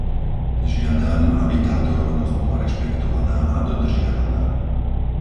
Žiadam, aby táto rovnosť bola rešpektovaná a dodržiavaná.